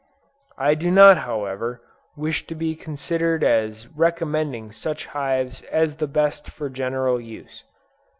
I do not however, wish to be considered as recommending such hives as the best for general use.